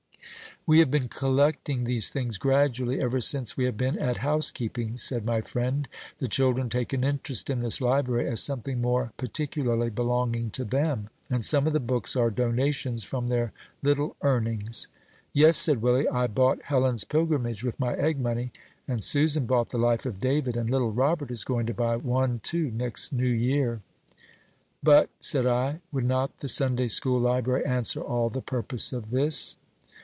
"We have been collecting these things gradually ever since we have been at housekeeping," said my friend; "the children take an interest in this library, as something more particularly belonging to them, and some of the books are donations from their little earnings." "Yes," said Willie, "I bought Helen's Pilgrimage with my egg money, and Susan bought the Life of David, and little Robert is going to buy one, too, next new year." "But," said I, "would not the Sunday school library answer all the purpose of this?"